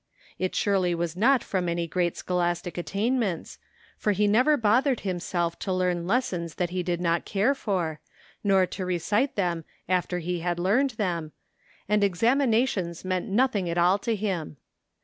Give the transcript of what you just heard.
It surely was not from any great scholastic attainments, for he never bothered himself to learn lessons that he did not care for, nor to recite them after he had learned them, and examinations meant nothing at all to him.